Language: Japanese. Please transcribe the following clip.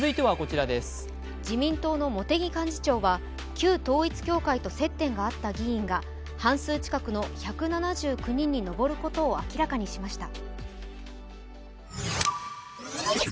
自民党の茂木幹事長は旧統一教会と接点があった議員が半数近くの１７９人に上ることを明らかにしました。